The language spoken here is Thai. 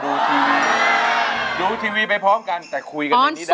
ดูทีวีไปพร้อมกันแต่คุยกันอย่างนี้ได้ว่ะ